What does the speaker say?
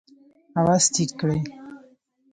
آواز ټیټ کړئ